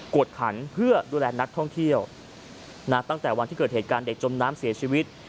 วดขันเพื่อดูแลนักท่องเที่ยวตั้งแต่วันที่เกิดเหตุการณ์เด็กจมน้ำเสียชีวิต